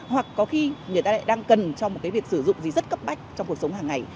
hoặc có khi người ta lại đang cần cho một cái việc sử dụng gì rất cấp bách trong cuộc sống hàng ngày